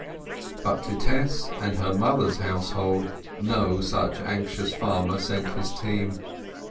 But to Tess and her mother's household no such anxious farmer sent his team.